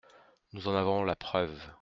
Nous en avons la preuve.